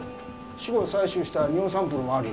死後採取した尿サンプルもあるよ